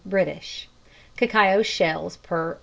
British Cacao shells per cwt.